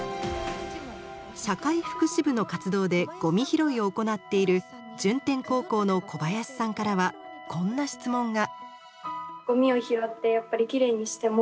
社会福祉部の活動でゴミ拾いを行っている順天高校の小林さんからはこんな質問が。